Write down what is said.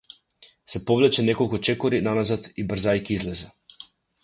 Се повлече неколку чекори наназад и брзајќи излезе.